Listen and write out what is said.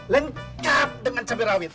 lengkap dengan cabai rawit